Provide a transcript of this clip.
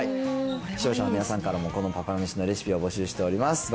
視聴者の皆さんからも、このパパめしのレシピを募集しております。